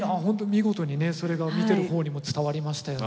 見事にねそれが見てる方にも伝わりましたよね。